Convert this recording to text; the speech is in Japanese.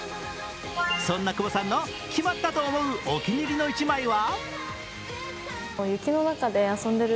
そんな久保さんの決まったと思うお気に入りの一枚は。